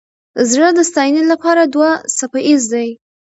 زړه د ستاینې لپاره دوه څپه ایز دی.